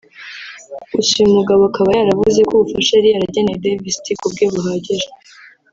Gusa uyu mugabo akaba yaravuze ko ubufasha yari yarageneye Davis D ku bwe buhagije